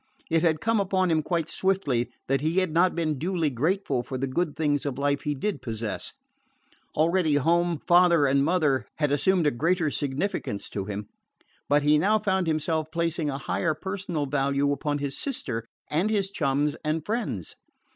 It had come upon him quite swiftly that he had not been duly grateful for the good things of life he did possess. Already home, father, and mother had assumed a greater significance to him; but he now found himself placing a higher personal value upon his sister and his chums and friends.